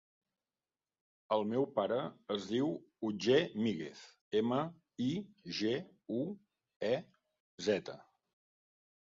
El meu pare es diu Otger Miguez: ema, i, ge, u, e, zeta.